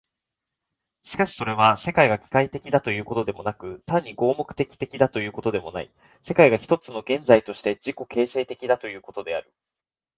しかしそれは、世界が機械的だということでもなく、単に合目的的だということでもない、世界が一つの現在として自己形成的だということである。